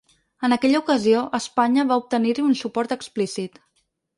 En aquella ocasió, Espanya va obtenir-hi un suport explícit.